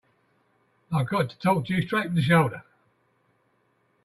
I've got to talk to you straight from the shoulder.